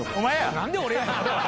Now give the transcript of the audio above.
何で俺や。